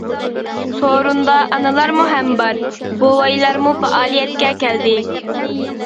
سورۇندا ئانىلارمۇ ھەم بار بوۋايلارمۇ پائالىيەتكە كەلدى.